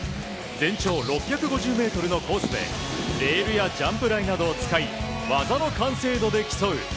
全長６５０メートルのコースで、レールやジャンプ台などを使い、技の完成度で競う